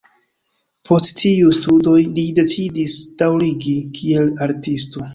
Post tiuj studoj li decidis daŭrigi kiel artisto.